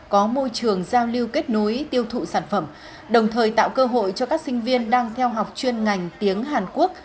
có môi trường giao lưu kết nối tiêu thụ sản phẩm đồng thời tạo cơ hội cho các sinh viên đang theo học chuyên ngành tiếng hàn quốc